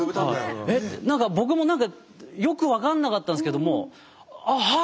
えっ何か僕も何かよく分かんなかったんですけどもはあ